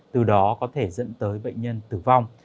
từ đó có thể dẫn tới bệnh nhân tử vong